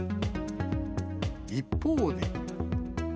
一方で。